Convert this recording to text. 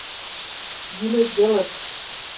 Йӱлет велыс.